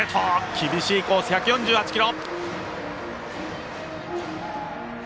厳しいコース、１４８キロ！